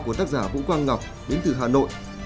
của tác giả vũ quang ngọc đến từ hà nội